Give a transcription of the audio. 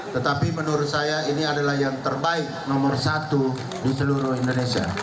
tetapi menurut saya ini adalah yang terbaik nomor satu di seluruh indonesia